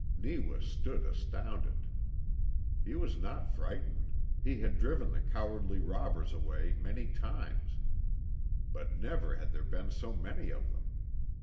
Neewa stood astounded. He was not frightened; he had driven the cowardly robbers away many times. But never had there been so many of them.